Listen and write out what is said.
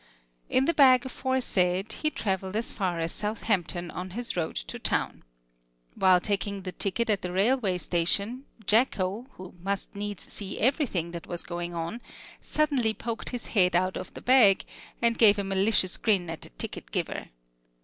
In the bag aforesaid he traveled as far as Southampton on his road to town. While taking the ticket at the railway station, Jacko, who must needs see everything that was going on, suddenly poked his head out of the bag and gave a malicious grin at the ticket giver.